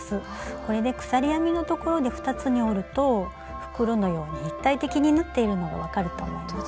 これで鎖編みのところで２つに折ると袋のように立体的に縫っているのが分かると思います。